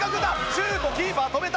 シュートキーパー止めた！